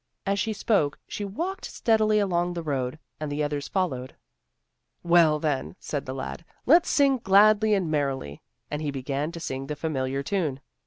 As she spoke, she walked steadily along the road, and the others followed, "Well then," said the lad, "let's sing 'Gladly and merrily'" and he began to sing the familiar tune.